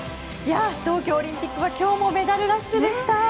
東京オリンピックは今日もメダルラッシュでした！